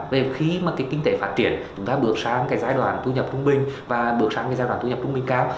về khi mà cái kinh tế phát triển chúng ta bước sang cái giai đoạn thu nhập trung bình và bước sang cái giai đoạn thu nhập trung bình cao